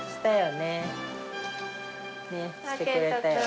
ねっしてくれたよね。